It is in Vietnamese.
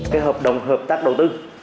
cái hợp đồng hợp tác đầu tư